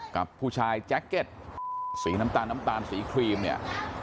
กับผู้ชายแจ็คเก็ตสีน้ำตาลน้ำตาลสีครีมเนี่ย